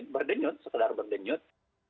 berdenyut sekedar berdenyut